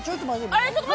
あっ、ちょっと。